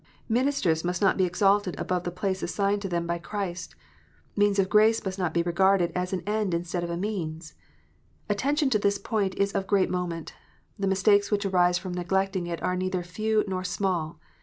Ministers must not be exalted above the place assigned to them by Christ ; means of grace must not be regarded as an end instead of a means. Attention to this point is of great moment : the mistakes which arise from neglecting it are neither few nor small.